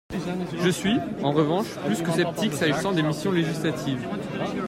Je suis, en revanche, plus que sceptique s’agissant des missions législatives.